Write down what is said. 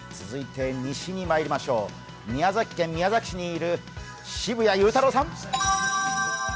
続いて西にまいりましょう宮崎県宮崎市にいる澁谷祐太朗さん！